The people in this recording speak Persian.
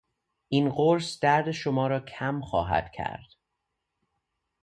این قرص درد شما را کم خواهد کرد.